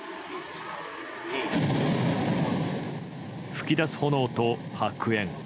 噴き出す炎と白煙。